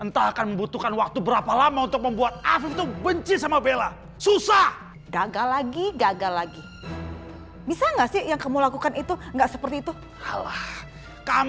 sampai jumpa di video selanjutnya